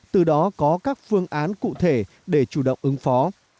từ đó có các phương án cụ thể để chủ động ứng phó